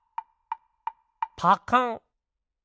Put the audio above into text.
パカン！